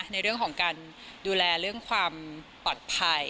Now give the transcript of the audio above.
ในเรื่องของการดูแลเรื่องความปลอดภัย